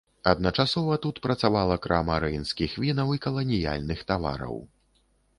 Адначасова тут працавала крама рэйнскіх вінаў і каланіяльных тавараў.